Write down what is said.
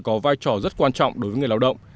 có vai trò rất quan trọng đối với người lao động